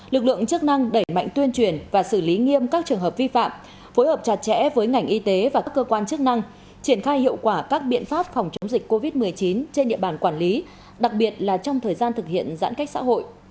lực lượng chức năng đẩy mạnh tuyên truyền và xử lý nghiêm các trường hợp vi phạm phối hợp chặt chẽ với ngành y tế và các cơ quan chức năng triển khai hiệu quả các biện pháp phòng chống dịch covid một mươi chín trên địa bàn quản lý đặc biệt là trong thời gian thực hiện giãn cách xã hội